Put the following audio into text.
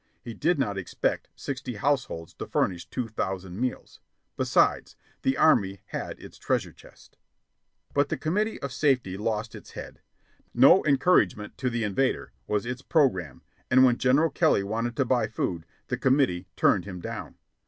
He did not expect sixty households to furnish two thousand meals. Besides, the Army had its treasure chest. But the committee of safety lost its head. "No encouragement to the invader" was its programme, and when General Kelly wanted to buy food, the committee turned him down.